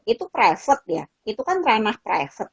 itu private ya itu kan ranah private